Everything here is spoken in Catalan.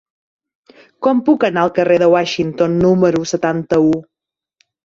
Com puc anar al carrer de Washington número setanta-u?